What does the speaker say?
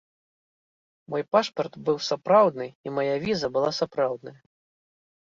Мой пашпарт быў сапраўдны, і мая віза была сапраўдная.